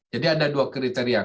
jadi ada dua kriteria